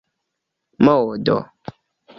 modo